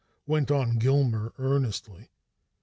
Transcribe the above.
went on Gilmer earnestly.